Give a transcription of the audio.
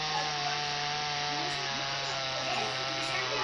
იკვებებიან თევზებითა და უხერხემლო ცხოველებით.